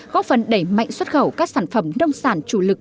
góp phần đẩy mạnh xuất khẩu các sản phẩm nông sản chủ lực